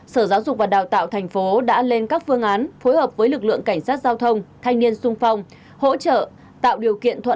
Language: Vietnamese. sở giáo dục và đào tạo thành phố đã lên các phương án phối hợp với lực lượng cảnh sát giao thông thanh niên sung phong hỗ trợ